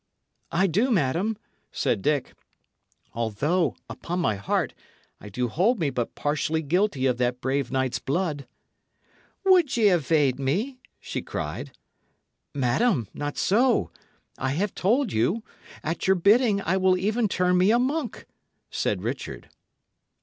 "I do, madam," said Dick. "Although, upon my heart, I do hold me but partially guilty of that brave knight's blood." "Would ye evade me?" she cried. "Madam, not so. I have told you; at your bidding, I will even turn me a monk," said Richard.